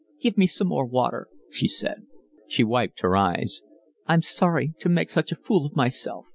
"Give me some more water," she said. She wiped her eyes. "I'm sorry to make such a fool of myself.